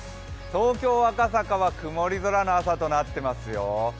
東京・赤坂は曇り空の空となっていますよ。